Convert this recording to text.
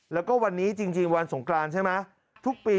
แล้วก็วันนี้จริงวันสงกรานใช่ไหมทุกปี